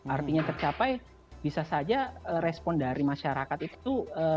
artinya tercapai bisa saja respon dari masyarakat itu